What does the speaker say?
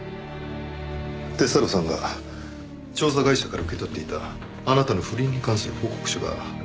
鐵太郎さんが調査会社から受け取っていたあなたの不倫に関する報告書がお宅から押収されてます。